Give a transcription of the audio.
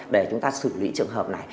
để chúng ta xử lý trường hợp này